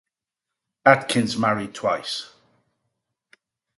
Atkins married twice.